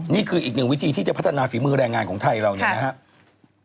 นี่คืออีกหนึ่งวิธีที่จะพัฒนาฝีมือแรงงานของไทยเราเนี่ยนะครับ